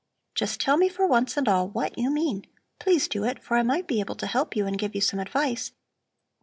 "Just tell me for once and all what you mean. Please do it, for I might be able to help you and give you some advice.